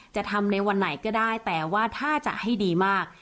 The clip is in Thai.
จะทำในวันไหนก็ได้แต่ว่าถ้าจะให้ดีมาก